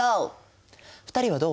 ２人はどう？